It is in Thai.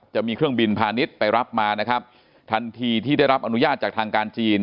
จะมีเครื่องบินพาณิชย์ไปรับมานะครับทันทีที่ได้รับอนุญาตจากทางการจีน